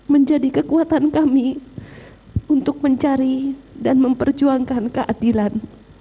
menjadi kekuatan kami untuk mencari dan memperjuangkan keadilan